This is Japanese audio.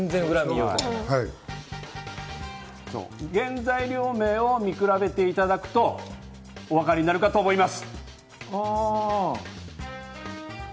原材料名を見比べていただくとおわかりになるかと思います。